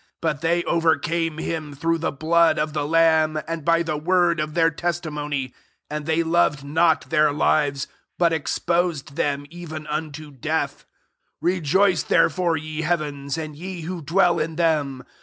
11 But thej overcame him through tlie bfood of the lamb,^ and by the word of their te8tinH>ny; and they loved not their lives, bui exfioaed them even unto death. 12 Rejoice therefore, ye hea vens, and ye who dwell in them.